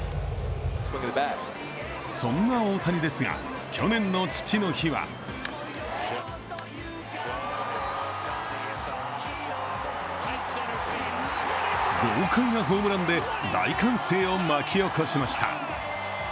そんな大谷ですが去年の父の日は豪快なホームランで大歓声を巻き起こしました。